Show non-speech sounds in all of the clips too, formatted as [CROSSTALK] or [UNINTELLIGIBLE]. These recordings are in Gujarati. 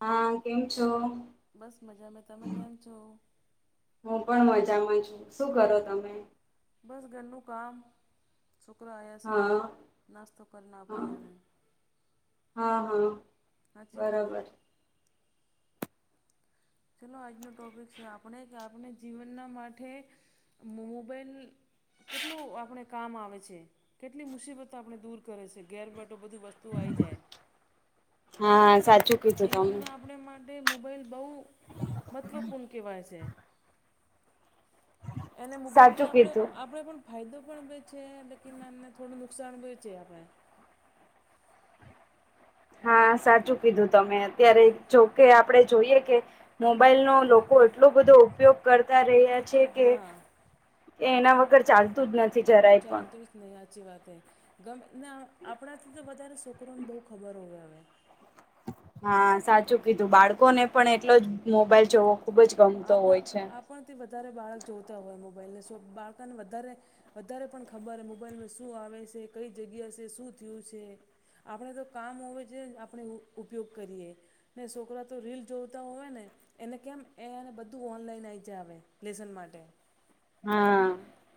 હા કેમ છો? બસ મજામાં તમે કેમ છો? હું પણ મજામાં છું, શું કરો તમે? બસ ઘરનું કામ. છોકરાં આયા છે, નાસ્તો કરને આપું એને. હા હા બરોબર. ચલો આજનું ટોપિક છે આપણે કે આપણે જીવનના માટે મોબાઈલ કેટલું આપણે કામ આવે છે, કેટલી મુસીબતો આપણે દૂર કરે છે, ઘેરબેઠો બધું વસ્ તું આઈ જાય, જીવનને આપણે માટે મોબાઈલ બહુ મહત્ત્વપૂર્ણ કેવાય છે. એને મોબાઈલથી આપણે આપણે પણ ફાયદો પણ બચે લેકિન અમને થોડું નુકસાન બચે આપણે. હા સાચું કીધું તમે અત્યારે જોકે આપડે જોઈએ કે. મોબાઈલ નો લોકો એટલો બધો ઉપયોગ કરતા રહ્યા છે, કે એના વગર ચાલતું જ નથી જરાય પણ. નઈ સાચી વાત હૈ, ગમ ને હવે આપણાથી તો વધારે છોકરોને બહુ ખબર હોય હવે. હા સાચું કીધું બાળકોને પણ એટલો જ મોબાઈલ જોવો આપ આપણથી વધારે બાળક જોતા હોય મોબાઈલને સો બાળકને વધારે વધારે પણ ખબર મોબાઈલમાં શું આવે છે કઈ જગ્યા છે શું થયું છે. આપણે તો કામ હોય તો આપણે ઉપયોગ કરીએ. ને છોકરા તો રીલ જોવતા હોય ને એને કેમ એ અને બધું ઓનલાઈન આવી જ હવે લેસન માટે. હા.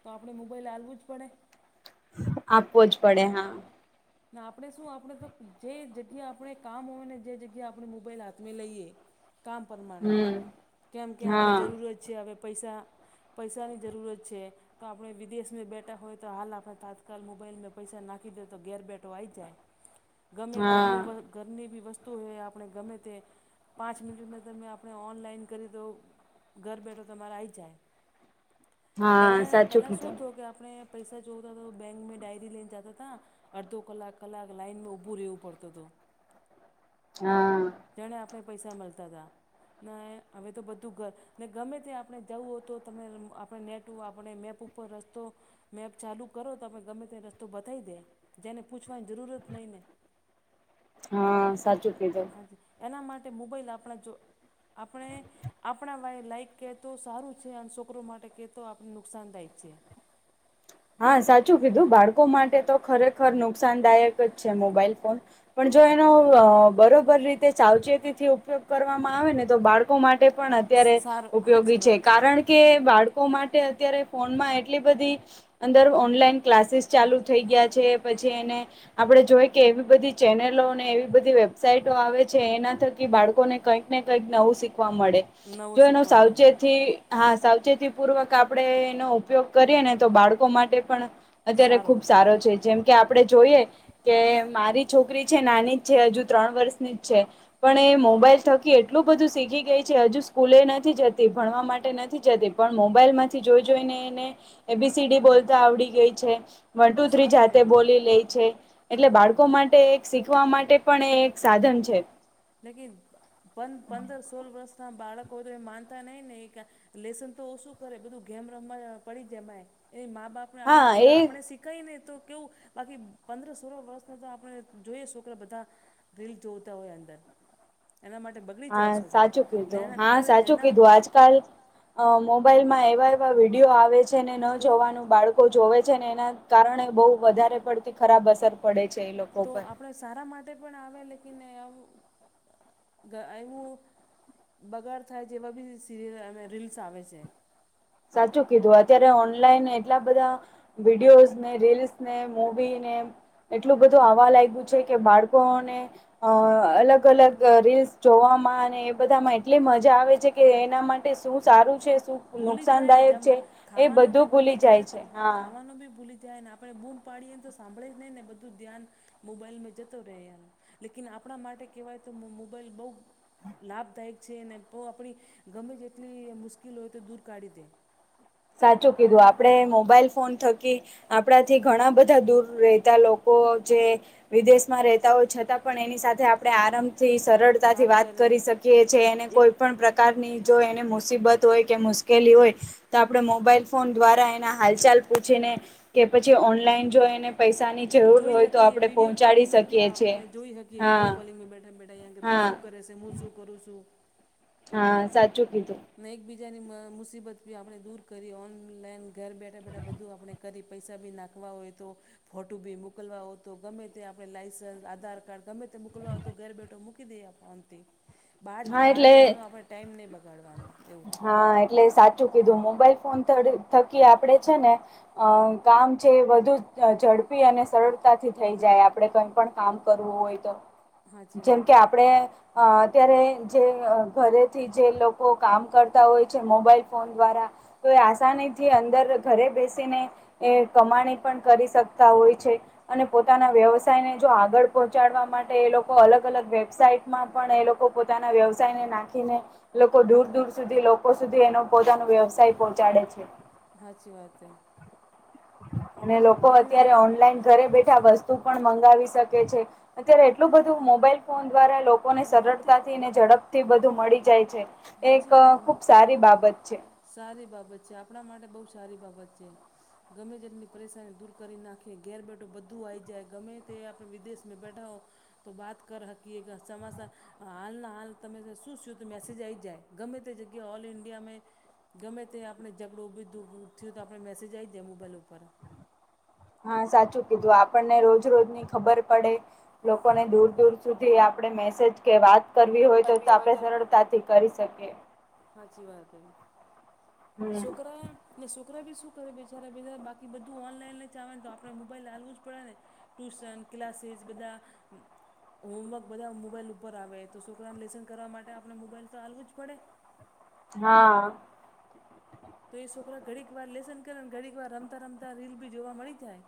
તો આપણે મોબાઈલ આલવું જ પડે. આપવો જ પડે હા. આપણે શું આપણે તો જે જગ્યા આપણે કામ હોય ને જે જગ્યા આપણે મોબાઈલ હાથમાં લઈએ. કામ પ્રમાણે કેમ કે આપણે જરૂર જ છે હવે પૈસા. પૈસાની જરૂરત છે. તો આપણે વિદેશમાં બેઠા હોય તો હાલ આપણે તાત્કાલ મોબાઈલમાં પૈસા નાખી દેતો ઘેર બેઠો આઈ જાય ગમે ઘરનું. ઘરની બી વસ્તુ હોય આપણે ગમે તે પાંચ મિનિટમાં તમે આપણે ઓનલાઈન કરી દો. ઘર બેઠો તમારે આઈ જાય પેલા પેલા શું તું કે આપણે. પૈસા જોતા તો બેંકમાં ડાયરી લેને જતા તા. અડધો કલાક કલાક લાઈનમાં ઊભું રહેવું પડતું તું. હા. તેણે આપને પૈસા મળતા તા હવે તો બધું‌ ને ગમે ત્યા આપણે જવું હો તો તમે આપણે નેટ આપણે મેપ ઉપર રસ્તો. મેપ ચાલુ કરો તો ગમે તે રસ્તો બતાય દે. જેને પૂછવાની જરૂરત નઈ ને હા સાચું કીધું. એના માટે મોબાઈલ આપણા જો આપણે. આપણા વાય લાઈક કેતો સારું છે અને છોકરો માટે કેતો આપણ નુકસાનદાયક છે. હા સાચું કીધું બાળકો માટે તો ખરેખર નુકસાનદાયક જ છે મોબાઈલ ફોન. પણ જો એનો બરોબર રીતે સાવચેતીથી ઉપયોગ કરવામાં આવે ને તો બાળકો. બાળકો માટે પણ અત્યારે ઉપયોગી છે કારણ કે. બાળકો અત્યારે ફોનમાં એટલી બધી અંદર ઓનલાઈન. ક્લાસીસ ચાલુ થઈ ગયા છે. પછી એને આપણે જોઈએ કે એવી બધી ચેનલો અને એવી બધી વેબસાઈટો આવે છે એના થકી કે બાળકોને કંઈક ને કંઈક નવું શીખવા મળે. જો એનો સાવચેતી હા સાવચેતી પૂર્વક આપણેે એનો ઉપયોગ કરીએ ને તો બાળ માટે પણ અત્યારે ખુબ સારું. જેમ કે આપણે જોઈએ કે મારી છોકરી છે નાની જ છે હજુ ત્રણ વર્ષની. છે પણ એ મોબાઈલ થકી કે એટલું બધું શીખી ગઈ છે હજુ સ્કૂલે નથી જતી ભણવા માટે નથી જતી પણ મોબાઈલ માંથી જોઈ જોઈને. ને એ બી સી ડી બોલતા આવડી ગઈ છે વન ટુ થ્રી જાતે બોલી લે છે એટલે બાળકો માટે એ શીખવા માટે પણ એ એક સાધન છે. લેકિન પંદર સોલ વર્ષના બાળક હોય તો એ માનતા નહી ને ‌ લેસન તો ઓછું કરે બધું ગેમ રમવા પડી જમાય એ મા બાપ ને આપણે આપણે શીખ કઈ નહી તો કેવું બાકી પંદર સોળ વર્ષના તો આપણે જોઈએ છોકરા બધા. રીલ જોવતા હોય અંદર. એના માટે બધું હા સાચું કીધું હા સાચું કીધું આજકાલ. અ મોબાઈલમાં એવા એવા વિડીયો આવે છે ને ન જોવાનું બાળકો જોવે છે ને એના કારણે બહુ વધારે પડતી ખરાબ અસર પડે છે એ લોકો પર આપણા સારા માટે પણ આવે લેકિન એવું ધ એવું બગાડ થાય જેવા બીજી સીરી અને રીલ્સ આવે છે સાચું કીધું અત્યારે ઓનલાઈન એટલા બધા વિડીયોઝ ને રીલ્સ ને મૂવી ને એટલું બધું આવા લાગ્યું છે કે બાળકોને અ અલગ અલગ રીલ્સ જોવામાં અને એ બધામાં એટલી મજા આવે છે કે એના માટે શું સારું છે શું નુ જાય જમ ખાવાનું ભી ભૂલી જાય તો ખાવા વાનુ બી ભૂલી જાય ને આપણે પાડીએ ન તો સાંભળે જ નહી ને બધું ધ્યાન મોબાઈલ મેં જતો રહે એનો લેકિન આપણા માટે કહેવાય તો મોબાઈલ બહુ લાભદાયક છે ને પો આપણી ગમે તેટલી મુશ કિલોય હોય તો દૂર કાઢી દે સાચું કીધું આપડે મોબાઈલ ફોન થકી આપણાથી ધણા બધા દૂર રહેતા લોકો જે વિદેશ માં રહેતા હોય છતાં પણ એની સાથે આપણે આરામ થી સરળતાથી વાત કરી શકીએ છે એને કોઈ પણ પ્રકારની જો એને મુસ સીબત હોય કે મુશ્કેલી હોય તો આપણે મોબાઈલ ફોન દ્વારા એના હાલચાલ પૂછીને કે પછી ઓનલાઈન જો એને જોઈ હકીએ વિડિયો કોલિંગ મે બી આપણે જોઈ હકીએ વિડિયો કોલિંગમાં બેઠા બેઠા યા કે તું સુ કરે છે મુ શું કરું છું હા સાચું કીધું ને એકબીજાની મ મુસીબત બી આપણે દૂર કરી ઓનલાઈન ઘર બેઠા બેઠા બધું આપણે કદી પૈસા બી નાખવા હોય તો ફોટુ બી મુકલવા હો તો ગમે તે આપણે લાઇસન્સ આધાર કાર્ડ ગમે તે મોકલવા તો ઘર બેઠો મૂકી દઈએ આપ શાંતિ બહાર બહાર જવાનો આપણે ટાઈમ નહીં બગાડવાનો. હા એટલે સાચું કીધું મોબાઈલ ફોન થડી થકી આપડે છે ને અ કામ છે વધુ ઝડપી અને સરળતાથી થઈ જાય આપડે કંઈ પણ કામ કરવું હોય તો જેમ કે આપણેે અ અત્યારે જે ઘરેથી જે લોકો કામ કરતા હોય છે મોબાઈલ ફોન દ્વારા તો એ આસાનીથી અંદર ઘરે બેસીને એ કમાણી પણ કરી શકતા હોય છે અને પો તાના વ્યવસાય ને જો આગળ પહોંચાડવા માટે એ લોક કો અલગ અલગ વેબસાઇટમાં પણ એ લોકો પોતાના વ્યવસાયને નાખીને લોકો દૂર દૂર સુધી લોકો સુધી એનો પોતાનો વ્યવસાય પહોંચાડે છે. હાચી વાત હે અને લોકો અત્યારે ઓનલાઈન ઘરે બેઠા વસ્તુ પણ મંગાવી શકે છે અત્યારે એટલું બધું મોબાઈલ ફોન દ્વારા લોકોને સરળતાથી ને ઝડપથી બધું મળી જાય છે. એક ખુબ સારી બાબત છે. સારી બાબત છે આપણા માટે બહુ સારી બાબત છે. ગમે તેટલી પરેશાની દૂર કરી નાખે ઘેર બેઠો બધું આઈ જાય ગમે તે આપણે વિદેશમે બેઠા હો તો બાત કર હકીએ ગ ચમાસા હાલ ના હાલ તમે શું થ્થુ તો મેસેજ આઈ જાય ગમે તે જગ્યા ઓલ ઇન્ડિયા મે ગમે તે આપણે ઝઘડું ઊભી દુ થયું તો આપણે મેસેજ આઈ જાય મોબાઈલ ઉપર હા સાચું કીધું આપણને રોજ રોજની ખબર પડે. લોકોને દૂર-દૂર સુધી આપણે મેસેજ કે વાત કરવી હોય તો આપડે સરળતાથી કરી શકીએ. હાચી વાત હૈ છોકરા ને છોકરા બી શું કરે બિચારા બીજા બાકી બધું ઓનલાઈન જ આવે તો આપણે મોબાઈલ આલવું જ પડે ને. ટ્યુશન, ક્લાસીસ બધા હોમવર્ક બધા મોબાઈલ ઉપર આવે તો છોકરાને લેસન કરવા માટે આપણે મોબાઈલ તો આલવું જ પડે. હા. તો એ છોકરા ઘડીક વાર લેસન કરેને ઘડીક વાર રમતા રમતા રીલ બી જોવા મળી જાય.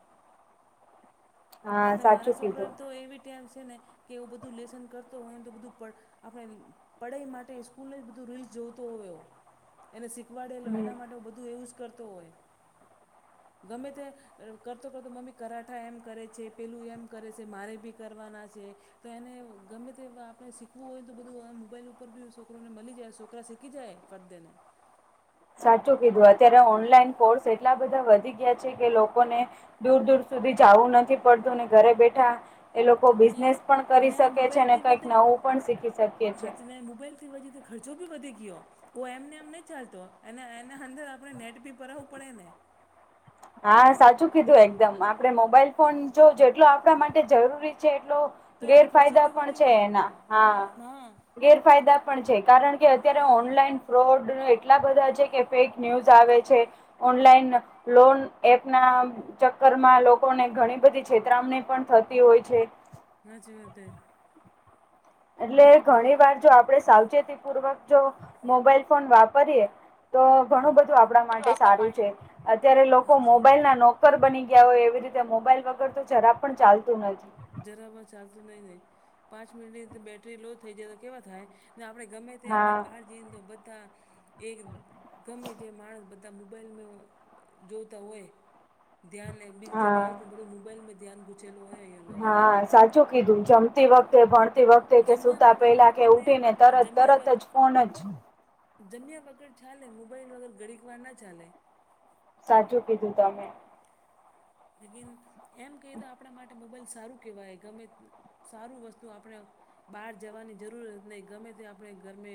ને મારા છોકરાને તો એવી ટેવ છે ને કે હું બધું લેસન કરતો હોય ને તો બધું પડ આપણે પઢાઈ માટે સ્કૂલ એજ રીલસ જોઈતો હોય ઓ. એને શીખવાડેલ એના માટે બધું એવું જ કરતો હોય. ગમે તે કરતો કરતો મમ્મી કરાઠા એમ કરે છે. પેલું એમ કરે છે મારે બી કરવાના છે. તો એને ગમે તે આપણે શીખવું હોય તો બધું મોબાઈલ ઉપર બી છોકરોને મળી જાય છોકરા શીખી જાય. ફટ દઈને. સાચું કીધું અત્યારે ઓનલાઈન કોર્સ એટલા બધા વધી ગયા છે કે લોકોને દૂર-દૂર સુધી જાવું નથી પડતું ને ઘરે બેઠા એ લોકો બિઝનેસ પણ કરી શકે છે અને કઈક નવું પણ શીખી શકે છે. ને મોબાઈલ તે વજેથી ખર્ચો બી વધી ગયો. ઓ એમને એમ નહી ચાલતો અને એના અંદર આપણે નેટ બી ભરાવવું પડે ને. હા સાચું કીધું એકદમ આપડે મોબાઈલ ફોન જો જેટલો આપણા માટે જરૂરી છે એટલો ગેરફાયદા પણ છે એના હા. ગેરફાયદા પણ છે કારણ કે અત્યારે ઓનલાઈન ફ્રોડ એટલા બધા છે કે ફેક ન્યૂઝ આવે છે ઓનલાઈન લોન એપના ચક્કરમાં લોકોને ઘણી બધી છેતરામણી પણ થતી હોય છે. હાચી વાત હે. એટલે ઘણી વાર જો આપણે સાવચેતી પૂર્વક જો મોબાઈલ ફોન વાપરીએ તો ઘણું બધું આપણા માટે સારું છે અત્યારે લોકો મોબાઈલ ના નો નોકર બની ગયા હોય એવી રીતે મોબાઈલ વગર તો જરાબ પણ ચાલતું નથી. જરામાં ચાલતું નહી પાંચ મિનિટની અંદર બેટરી લો થઈ જાય તો કેવા થાય. ના આપણે ગમે તે આપણે બહાર દિન તો બધા એક ગમે જે માણસ બધા મોબાઈલ જોતા હોય ધ્યાન ને બીજી જગ્યા એ ને બધું મોબાઈલમાં ધ્યાન ઘૂચલું હોય અહ્યા. હા સાચું કીધું જમતી વખતે પણ જમતી તી વખતે કે સુતા પહેલા કે ઉઠી ને તરત-તરત જ ફોન જ જમીયા વગર ચાલે મોબાઈલ વગર ઘડીક વાર ના ચાલે. સાચું કીધું તમે. લેકિન એમ કહીએ તો આપણા માટે મોબાઈલ સારું કહેવાય ગમે સારું વસ્તુ આપણે બહાર જવાની જરૂરત નહીં ગમે તે આપણે ગરમે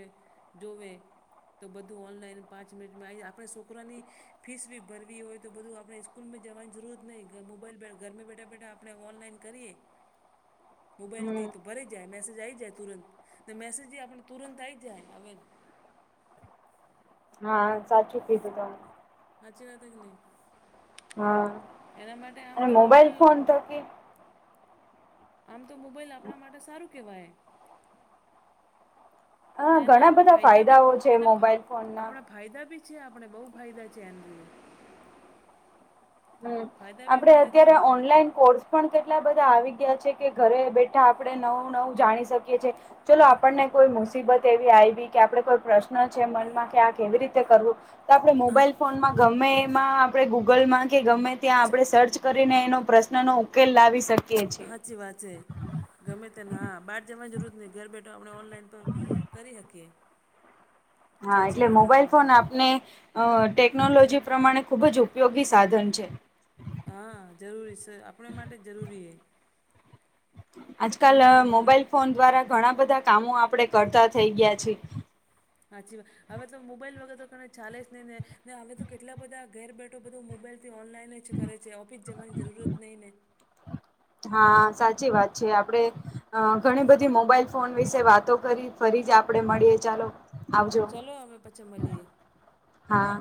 જોવે તો બધું ઓનલાઈન પાંચ મિનિટમાં આઈ આપણે છોકરાની ફીસ બી ભરવી હોય તો બધું આપણે સ્કૂલ મે જવાની જરૂરત નઈ મોબાઈલ ઘર બેઠા-બેઠા આપણે ઓનલાઈન કરીએ મોબાઈલ થી ભરી જાય મેસેજ આવી જાય તુરંત ને મેસેજ આપણે તુરંત આવી જાય હવે. હા સાચું કીધું ત. હાચી [INAUDIBLE] [UNINTELLIGIBLE] કે નહી એના માટે આમ તો મોબાઈલ આમતો મોબાઈલ આપણા માટે સારું કહેવાય. ને એના આપણે ફાયદા બી એના આપણા ફાયદા બી છે આપણે બહુ ફાયદા છે એમ. હમ આપડે અત્યારે ઓનલાઈન. કોર્સ પણ કેટલા બધા આવી ગયા છે કે ઘરે બેઠા આપણે નવું નવું જાણી શકીએ. ચાલલો આપણને કોઈ મુ મુસીબત એવી આવી કે આપડે કોઈ પ્રશ્ન છે મનમાં કે આ કેવી રીતે કરવું.. તો આપડણે મોબાઈલ ફોનમાં ગમે એમાં આપણે ગુગલમાં.. કે ત્યાં સર્ચ કરીને એનો પ્રશ્ન નો ઉકેલ લાવી શકીએ છીએ. [INAUDIBLE] [UNINTELLIGIBLE] ગમે તેને હા બહાર જવાની જરૂરત નહ ઘર બેઠો આપણે ઓનલાઈન પણ કરી શકીએ. હા એટલે મોબાઈલ ફોન આપને. ટેકનોલોજી પ્રમાણે ખૂબ જ ઉપયોગી સાધન છે. હા જરૂરી સે આપણે માટે જ જરૂરી એ આજકાલ મોબાઈલ ફોન દ્વારા ઘણા બધા કામો આપણે કરતા થઈ ગયા છે. સાચી વાત હવે તો મોબાઈલ વગર તો ચાલે જ નહી નેને હવે તો કેટલા બધા ઘેર બેઠો બધો મોબાઈલ ઓનલાઈન જ કરે છે ઓફિસ જવાની જરૂરત નહીં ને. હા સાચી વાત છે આપડે. અ ઘણી બધી મોબાઈલ ફોન વિશે વાતો કરી ફરી જ આપડે મળીએ ચાલો. ચાલલો અમે પછી મળીએ. હા.